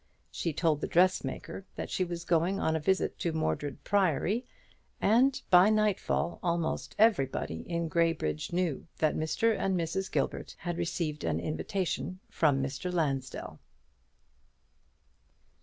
She told the dressmaker that she was going on a visit to Mordred Priory, and by nightfall almost everybody in Graybridge knew that Mr. and Mrs. Gilbert had received an invitation from Mr. Lansdell.